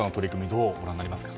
どうご覧になりますか？